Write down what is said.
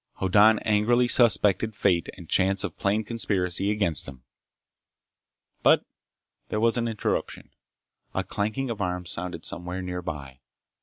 Hoddan angrily suspected fate and chance of plain conspiracy against him. But there was an interruption. A clanking of arms sounded somewhere nearby.